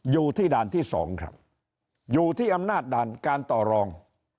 อยู่ที่ด่านที่๒ครับอยู่ที่อำนาจด่านการต่อรอง